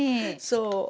そう。